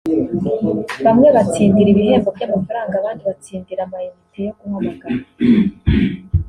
bamwe batsindira ibihembo by’amafaranga abandi batsindira amainite yo guhamagara